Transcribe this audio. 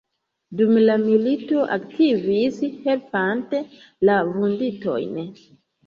Dum la milito aktivis helpante la vunditojn.